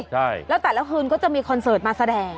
ใช่แล้วแต่ละคืนก็จะมีคอนเสิร์ตมาแสดง